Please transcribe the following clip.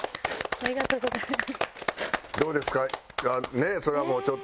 ありがとうございます。